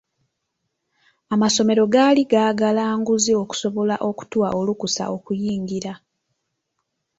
Amasomero gaali gaagala nguzi okusobola okutuwa olukusa okuyingira.